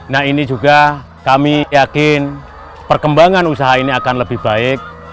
nah ini juga kami yakin perkembangan usaha ini akan lebih baik